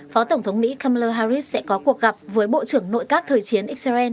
phó tổng thống mỹ kamer harris sẽ có cuộc gặp với bộ trưởng nội các thời chiến israel